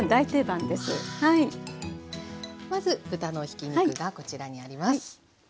まず豚のひき肉がこちらにあります。